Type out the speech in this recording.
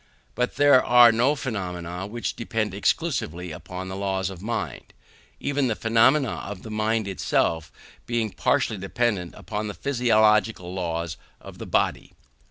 But there are no phenomena which depend exclusively upon the laws of mind; even the phenomena of the mind itself being partially dependent upon the physiological laws of the body.